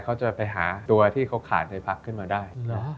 เขาจะไปหาตัวที่เขาขาดในพักขึ้นมาได้